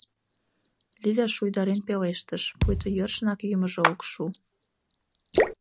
— Лиля шуйдарен пелештыш, пуйто йӧршынак йӱмыжӧ ок шу.